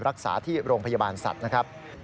รักษาที่โรงพยาบาลสัตว์นะครับ